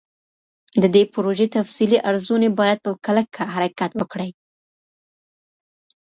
د دې پروژې تفصیلي ارزوني باید په کلکه حرکت وکړي.